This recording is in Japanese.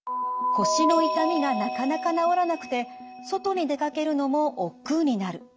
腰の痛みがなかなか治らなくて外に出かけるのもおっくうになる。